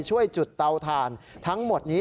ช่วยจุดเตาถ่านทั้งหมดนี้